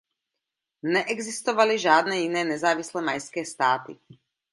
Neexistovaly žádné jiné nezávislé mayské státy.